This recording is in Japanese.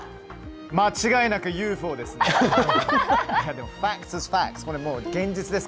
間違いなくＵＦＯです。